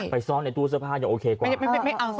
ซ่อนในตู้เสื้อผ้ายังโอเคกว่า